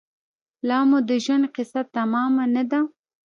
لامو د ژوند کیسه تمامه نه ده